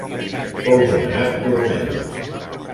Fou nomenat coronel.